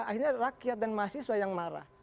akhirnya rakyat dan mahasiswa yang marah